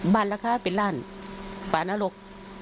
บันละคะเป็นร่านป่านรก